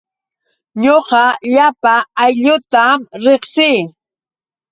Ñuqa llapa aylluutam riqsii.